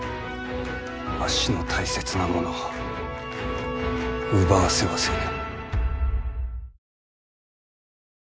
わしの大切なものを奪わせはせぬ。